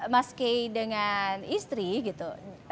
mas kay dengan istri gitu